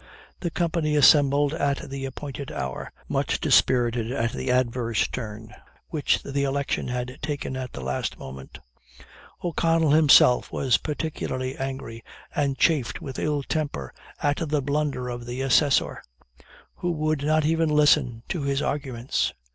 The company assembled at the appointed hour, much dispirited at the adverse turn which the election had taken at the last moment. O'Connell himself was particularly angry, and chafed with ill temper at the blunder of the assessor, who would not even listen to his arguments.